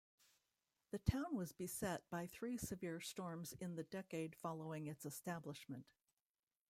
The town was beset by three severe storms in the decade following its establishment.